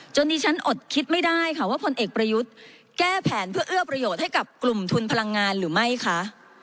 ดิฉันอดคิดไม่ได้ค่ะว่าพลเอกประยุทธ์แก้แผนเพื่อเอื้อประโยชน์ให้กับกลุ่มทุนพลังงานหรือไม่คะ